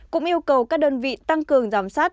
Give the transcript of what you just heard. cũng yêu cầu các đơn vị tăng cường giám sát